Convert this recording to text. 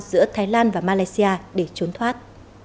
giữa thái lan và malaysia để trốn thoát